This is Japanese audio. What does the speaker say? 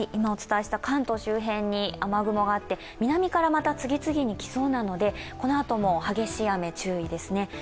関東周辺に雨雲があって南からまた次々に来そうなのでこのあとも激しい雨に注意ですね。